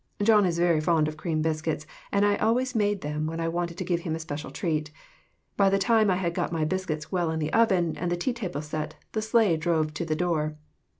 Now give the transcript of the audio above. John is very fond of cream bis cuits, and I always made them when I wanted to give him a special treat. By the time I had got my biscuits well in the oven, and the tea table set, the sleigh drove to the door.